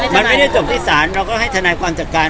มันไม่ได้จบที่ศาลเราก็ให้ทนายความจัดการ